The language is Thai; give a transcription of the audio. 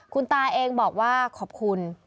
คุณตาเองบอกว่าขอบคุณ